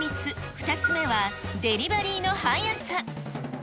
２つ目は、デリバリーの速さ。